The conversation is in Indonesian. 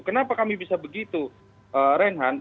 kenapa kami bisa begitu reinhardt